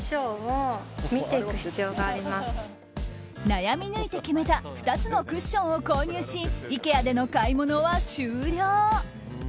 悩み抜いて決めた２つのクッションを購入しＩＫＥＡでの買い物は終了。